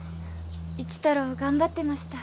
一太郎頑張ってました